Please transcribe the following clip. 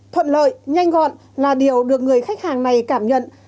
thuận lợi nhanh gọn là điều được người khách hàng này cảm nhận